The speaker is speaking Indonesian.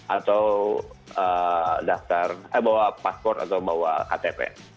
atau bawa paspor atau bawa ktp